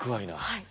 はい。